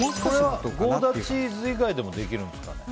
ゴーダチーズ以外でもできるんですかね。